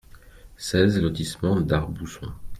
seize lotissement Darbousson